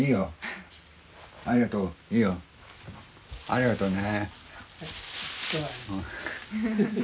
ありがとうね。